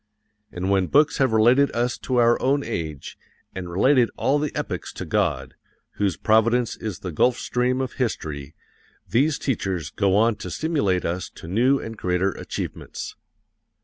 And when books have related us to our own age, and related all the epochs to God, whose providence is the gulf stream of history, these teachers go on to stimulate us to new and greater achievements.